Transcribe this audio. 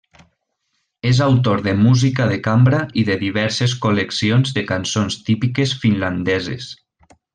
És autor de música de cambra i de diverses col·leccions de cançons típiques finlandeses.